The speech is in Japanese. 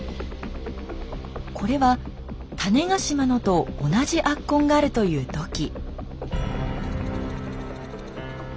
これは種子島のと同じ圧痕があるという土器。